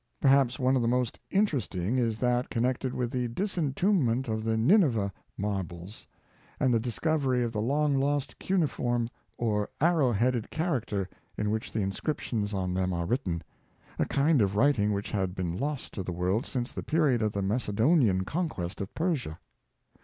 Perhaps one of the most interesting is that connected with the disentombment of the Ninevah mar bles, and the discovery of the long lost cuneiform or arrow headed character in which the inscriptions on them are written — a kind of writing which had been lost to the world since the period of the Macedonian conquest of Persia.